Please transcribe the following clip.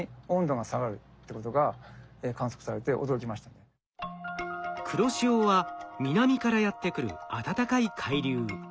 これほど黒潮は南からやって来る暖かい海流。